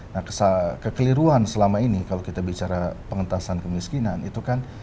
nah kekeliruan selama ini kalau kita bicara pengentasan kemiskinan itu kan